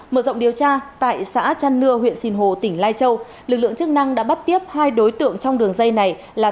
mở rộng điều tra tại xã trăn nưa huyện sìn hồ tỉnh lai châu lực lượng chức năng đã bắt tiếp hai đối tượng trong đường dây này là